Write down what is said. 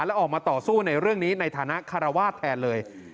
และออกมาต่อสู้ในเรื่องนี้ในฐานะคารวาสแทนเลย